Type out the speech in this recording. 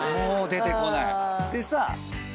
「もう出てこない」でさ